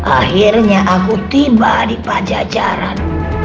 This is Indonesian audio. akhirnya aku tiba di pajajaran